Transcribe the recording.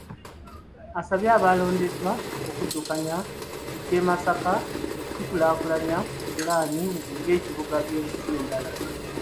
Asabye abaalondeddwa okuddukanya eky’e Masaka okukikulaakulanyiza ku pulaani ng’ebibuga by’ensi endala.